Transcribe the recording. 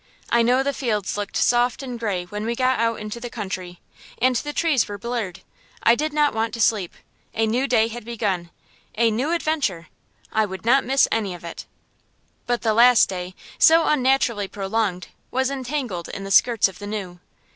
I know the fields looked soft and gray when we got out into the country, and the trees were blurred. I did not want to sleep. A new day had begun a new adventure. I would not miss any of it. But the last day, so unnaturally prolonged, was entangled in the skirts of the new.